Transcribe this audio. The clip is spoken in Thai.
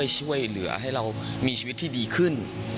ช่วยเหลือให้เรามีชีวิตที่ดีขึ้น